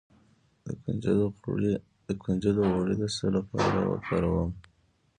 د کنجد غوړي د څه لپاره وکاروم؟